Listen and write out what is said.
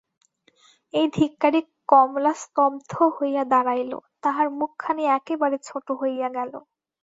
এই ধিক্কারে কমলা স্তব্ধ হইয়া দাঁড়াইল, তাহার মুখখানি একেবারে ছোটো হইয়া গেল।